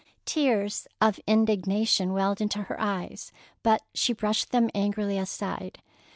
Tears of indignation welled into her eyes, but she brushed them angrily aside.